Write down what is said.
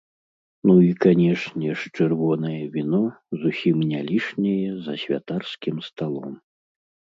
Ну і, канешне ж, чырвонае віно, зусім не лішняе за святарскім сталом.